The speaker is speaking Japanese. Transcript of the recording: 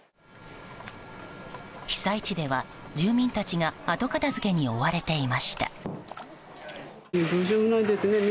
被災地では住民たちが後片付けに追われていました。